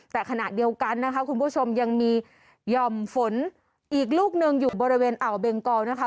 แต่ขณะเดียวกันนะคะคุณผู้ชมยังมีหย่อมฝนอีกลูกหนึ่งอยู่บริเวณอ่าวเบงกอลนะคะ